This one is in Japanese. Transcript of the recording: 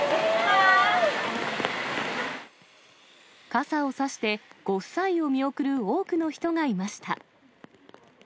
傘を差して、ご夫妻を見送る多くの人がいました。